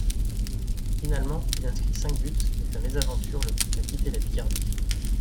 Finalement, il inscrit cinq buts, mais sa mésaventure le pousse à quitter la Picardie.